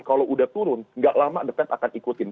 kalau udah turun gak lama the fed akan ikutin